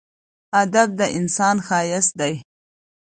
ادب د انسان ښایست دی.